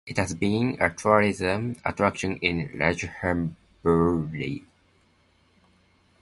It has been a tourist attraction in Rajahmundry.